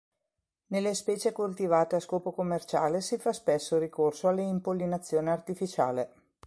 Nelle specie coltivate a scopo commerciale si fa spesso ricorso alla impollinazione artificiale.